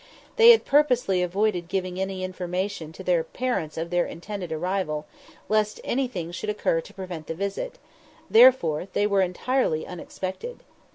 They had purposely avoided giving any intimation to their parents of their intended arrival, lest anything should occur to prevent the visit; therefore they were entirely unexpected.